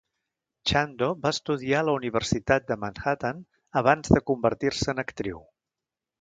Chando va estudiar a la Universitat de Manhattan abans de convertir-se en actriu.